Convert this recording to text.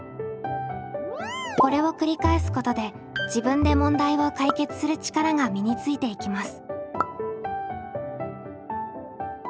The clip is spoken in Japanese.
これを繰り返すことで「自分で問題を解決する力」が身についていきます。